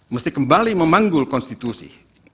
mesti kembali memanggul konstitusi